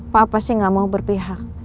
papa sih nggak mau berpihak